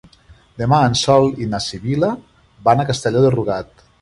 Demà en Sol i na Sibil·la van a Castelló de Rugat.